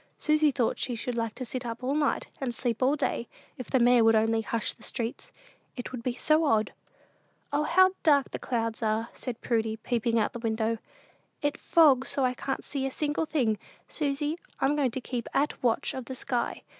Susy thought she should like to sit up all night, and sleep all day, if the mayor would only hush the streets; it would be so odd! "O, how dark the clouds are!" said Prudy, peeping out of the window; "it fogs so I can't see a single thing. Susy, I'm going to keep at watch of the sky.